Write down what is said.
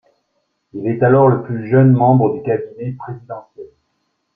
Il est alors le plus jeune membre du cabinet présidentiel.